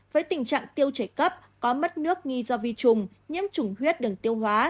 với tình trạng tiêu chảy cấp có mất nước nghi do vi trùng nhiễm trùng huyết đường tiêu hóa